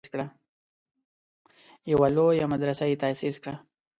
یوه لویه مدرسه یې تاسیس کړه.